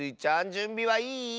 じゅんびはいい？